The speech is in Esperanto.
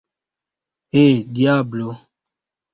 He, diablo!